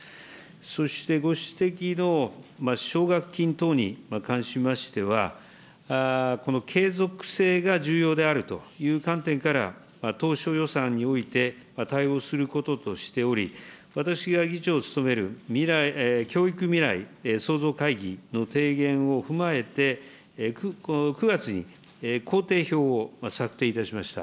そしてご指摘の奨学金等に関しましては、継続性が重要であるという観点から、当初予算において対応することとしており、私が議長を務める教育未来創造会議の提言を踏まえて、この９月に工程表を策定いたしました。